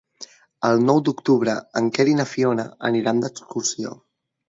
El nou d'octubre en Quer i na Fiona aniran d'excursió.